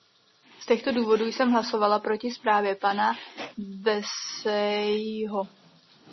Z těchto důvodů jsem hlasovala proti zprávě pana Becseyho.